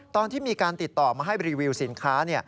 ตอนที่มีการติดต่อมาให้รีวิวสินค้า